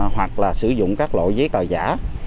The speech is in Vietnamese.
hoặc là sử dụng các loại giấy cờ giả